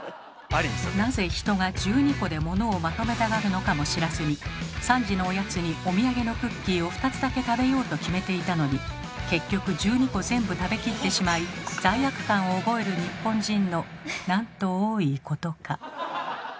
なぜ人が１２個で物をまとめたがるのかも知らずに「３時のおやつにお土産のクッキーを２つだけ食べよう」と決めていたのに結局１２個全部食べきってしまい罪悪感を覚える日本人のなんと多いことか。